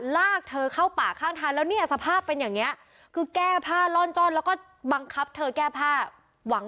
ลากเธอเข้าป่าข้างทางแล้วเนี่ยสภาพเป็นอย่างนี้คือแก้ผ้าล่อนจ้อนแล้วก็บังคับเธอแก้ผ้าหวัง